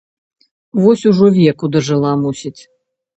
Вось ужо веку дажыла, мусіць.